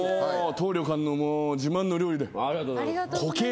当旅館のもう自慢の料理で。